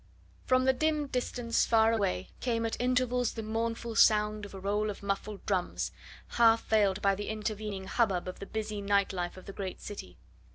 From the dim distance far away came at intervals the mournful sound of a roll of muffled drums, half veiled by the intervening hubbub of the busy night life of the great city.